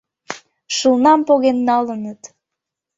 — Шылнам поген налыныт!